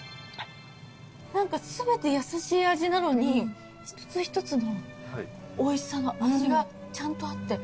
何か全て優しい味なのに一つ一つのおいしさの味がちゃんとあって。